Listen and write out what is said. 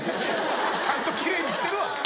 ちゃんと奇麗にしてるわ！